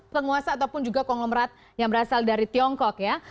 penguasa ataupun juga konglomerat yang berasal dari tiongkok ya